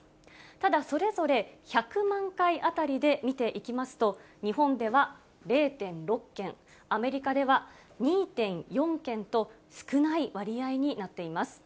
ただそれぞれ、１００万回当たりで見ていきますと、日本では０．６件、アメリカでは２．４件と、少ない割合になっています。